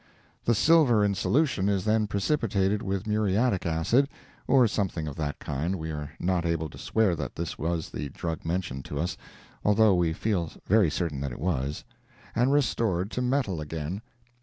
The silver in solution is then precipitated with muriatic acid (or something of that kind—we are not able to swear that this was the drug mentioned to us, although we feel very certain that it was,) and restored to metal again.